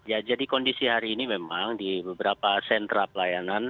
ya jadi kondisi hari ini memang di beberapa sentra pelayanan